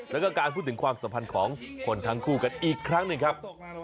แล้วก็การพูดถึงความสัมพันธ์ของคนทั้งคู่กันอีกครั้งหนึ่งครับ